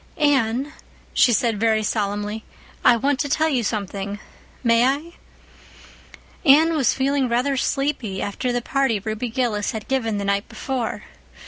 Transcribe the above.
"Anne," she said very solemnly, "I want to tell you something. May I" Anne was feeling rather sleepy after the party Ruby Gillis had given the night before.